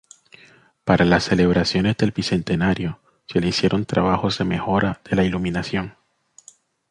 Para las celebraciones del Bicentenario se le hicieron trabajos de mejora de la iluminación.